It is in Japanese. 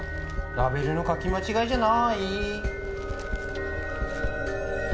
ラベルの書き間違いじゃない？